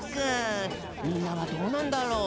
みんなはどうなんだろう。